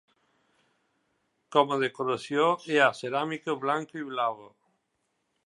Com a decoració hi ha ceràmica blanca i blava.